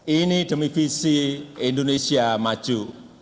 ini demi visi indonesia maju